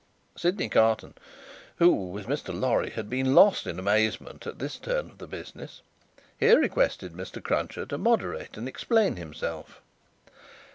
Sydney Carton, who, with Mr. Lorry, had been lost in amazement at this turn of the business, here requested Mr. Cruncher to moderate and explain himself.